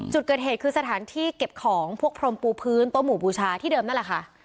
จุดเกิดเหตุคือสถานที่เก็บของพวกพรมปูพื้นโต๊ะหมู่บูชาที่เดิมนั่นแหละค่ะ